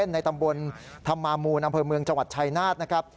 ในตำบลธรรมามูลอำเภอเมืองจังหวัดชายนาฏนะครับ